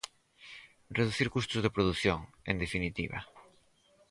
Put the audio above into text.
Reducir custos de produción, en definitiva.